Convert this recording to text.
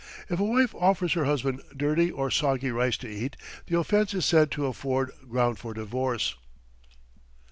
If a wife offers her husband dirty or soggy rice to eat, the offense is said to afford ground for divorce....